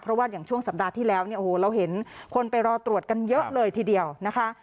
เพราะว่าอย่างช่วงสัปดาห์ที่แล้วเนี่ยโอ้โหเราเห็นคนไปรอตรวจกันเยอะเลยทีเดียวนะคะ